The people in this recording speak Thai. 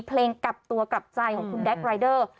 เพลงกลับตัวกลับใจของคุณแดคไรเดอร์